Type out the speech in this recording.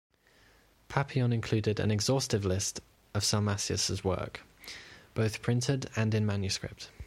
Papillon included an exhaustive list of Salmasius' works, both printed and in manuscript.